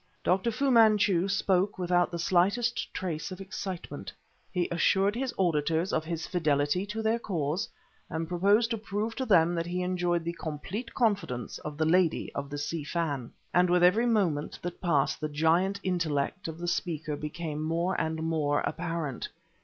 Dr. Fu Manchu spoke without the slightest trace of excitement; he assured his auditors of his fidelity to their cause and proposed to prove to them that he enjoyed the complete confidence of the Lady of the Si Fan. And with every moment that passed the giant intellect of the speaker became more and more apparent.